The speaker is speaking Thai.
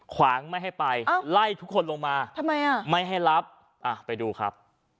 ขวางไม่ให้ไปไล่ทุกคนลงมาทำไมอ่ะไม่ให้รับไปดูครับ